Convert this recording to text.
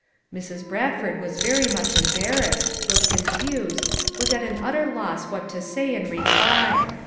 Mrs. Bradford was very much embarrassed, was confused, was at an utter loss what to say in reply.